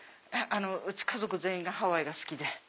うち家族全員がハワイが好きで。